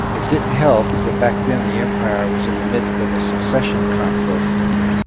It didn't help that back then the empire was in the midst of a succession conflict.